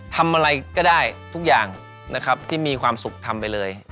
ทำอะไรก็ได้ทุกอย่างนะครับที่มีความสุขทำไปเลย